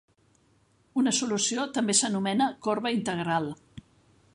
Una solució també s'anomena corba integral.